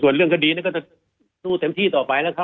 ส่วนเรื่องคดีก็จะสู้เต็มที่ต่อไปแล้วครับ